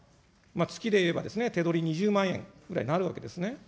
月でいえば手取り２０万円ぐらいになるわけですね。